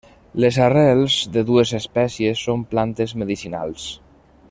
Les arrels de dues espècies són plantes medicinals.